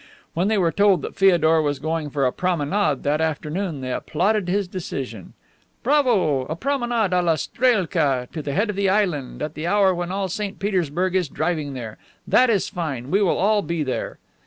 When they were told that Feodor was going for a promenade that afternoon they applauded his decision. "Bravo! A promenade a la strielka (to the head of the island) at the hour when all St. Petersburg is driving there. That is fine. We will all be there."